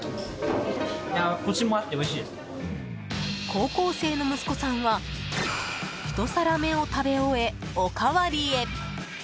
高校生の息子さんはひと皿目を食べ終え、おかわりへ。